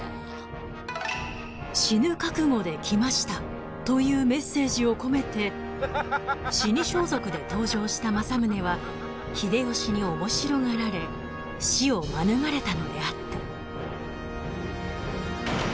［「死ぬ覚悟で来ました」というメッセージを込めて死装束で登場した政宗は秀吉に面白がられ死を免れたのであった］